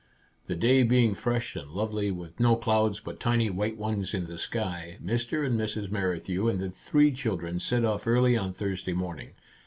The day being fresh and lovely, with no clouds but tiny white ones in the sky, Mr. and Mrs. Merrithew and the three children set off early on Thursday morning.